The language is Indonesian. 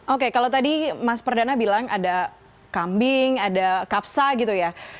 oke kalau tadi mas perdana bilang ada kambing ada kapsa gitu ya